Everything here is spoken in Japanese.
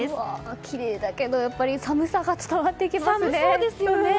きれいだけど寒さが伝わってきますね。